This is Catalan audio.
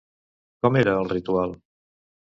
Com era, el ritual?